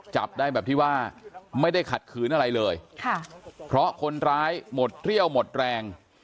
จับได้แบบที่ว่าไม่ได้ขัดขืนอะไรเลยค่ะเพราะคนร้ายหมดเรี่ยวหมดแรง